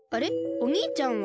おにいちゃんは？